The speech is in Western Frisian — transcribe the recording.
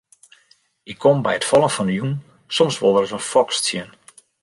Ik kom by it fallen fan 'e jûn soms wol ris in foks tsjin.